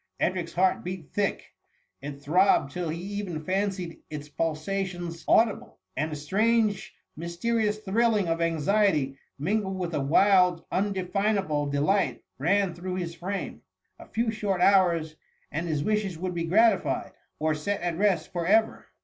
Edric's heart beat thick: it throbbed THE MUMMr. 209 till he even fancied its pulsations audible ; and a strange, mysterious thrilling of anxiety, min gled with a wild, undefinable delight, ran through his frame. A few short hours, and his wishes would be gratified, or set at rest for ever.